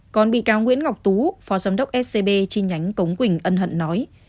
còn bị cáo nguyễn ngọc tú phó giám đốc scb chi nhánh cống quỳnh ân hận nói